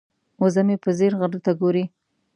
وزه مې په ځیر غره ته ګوري.